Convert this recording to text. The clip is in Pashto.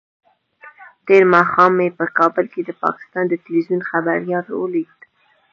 تېر ماښام مې په کابل کې د پاکستان د ټلویزیون خبریال ولید.